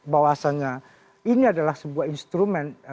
bahwasannya ini adalah sebuah instrumen